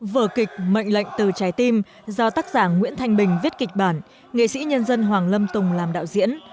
vở kịch mệnh lệnh từ trái tim do tác giả nguyễn thanh bình viết kịch bản nghệ sĩ nhân dân hoàng lâm tùng làm đạo diễn